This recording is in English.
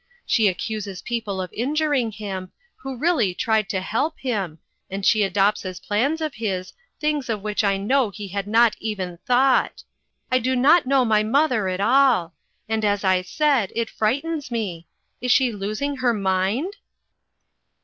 She accuses people of injuring him, who really tried to help him, and she adopts as plans of his, things of which I know he had not even thought. I do not know my mother at all ; and as I said, it frightens me. Is she los ing her mind?"